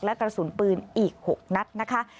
และกระสุนปืนอีก๖นัดนะคะ